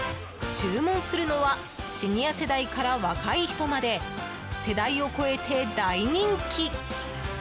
注文するのはシニア世代から若い人まで世代を超えて大人気。